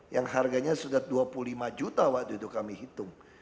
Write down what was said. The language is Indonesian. yang harganya sudah dua puluh lima juta waktu itu kami hitung